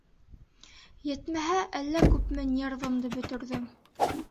Етмәһә, әллә күпме нервымды бөтөрҙөм.